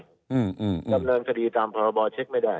ดำเนินคดีตามพรบเช็คไม่ได้